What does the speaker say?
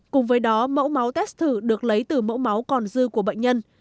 cùng với đó mẫu máu test thử được lấy từ mẫu máu còn dư của bệnh nhân